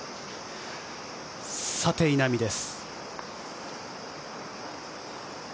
さて、稲見です。